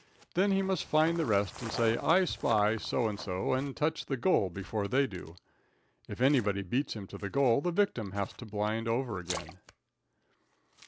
Then he must find the rest and say "I spy" so and so and touch the "goal" before they do. If anybody beats him to the goal the victim has to "blind" over again.